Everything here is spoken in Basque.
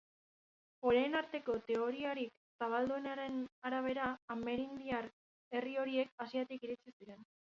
Orain arteko teoriarik zabalduenaren arabera, amerindiar herri horiek Asiatik iritsi ziren.